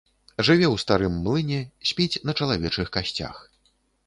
Жыве ў старым млыне, спіць на чалавечых касцях.